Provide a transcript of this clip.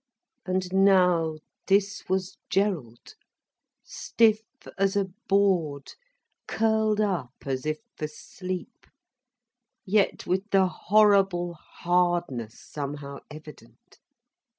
And now this was Gerald, stiff as a board, curled up as if for sleep, yet with the horrible hardness somehow evident.